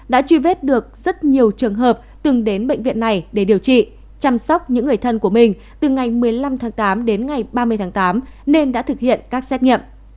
đã truy vết được rất nhiều trường hợp từng đến bệnh viện này để điều trị chăm sóc những người thân của mình từ ngày một mươi năm tháng tám đến ngày ba mươi tháng tám nên đã thực hiện các xét nghiệm